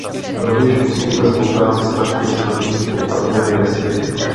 Rovněž posílíme spolupráci s našimi strategickými partnery ve světě.